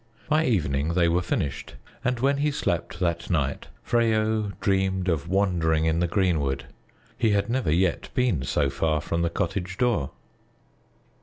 By evening they were finished, and when he slept that night, Freyo dreamed of wandering in the greenwood; he had never yet been so far from the cottage door.